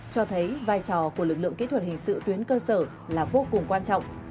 cho thấy vai trò của lực lượng kỹ thuật hình sự tuyến cơ sở là vô cùng quan trọng